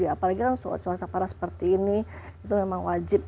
apalagi kan suara suara parah seperti ini itu memang wajib